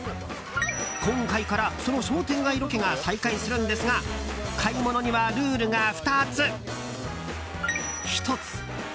今回から、その商店街ロケが再開するんですが買い物にはルールが２つ。